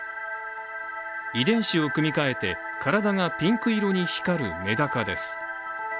遺伝子を組み換えて体がピンク色に光るめだかです。